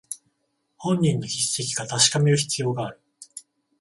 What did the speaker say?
本人の筆跡か確かめる必要がある